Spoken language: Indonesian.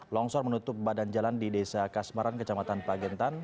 longsor menutup badan jalan di desa kasmaran kecamatan pagentan